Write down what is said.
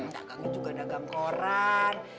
dagangnya juga dagang koran